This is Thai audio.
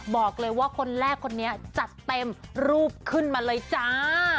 บอกเลยว่าคนแรกคนนี้จัดเต็มรูปขึ้นมาเลยจ้า